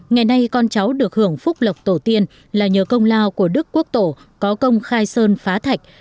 ngày nay con cháu được hưởng phúc lọc tổ tiên là nhờ công lao của đức quốc tổ có công khai sơn phá thạch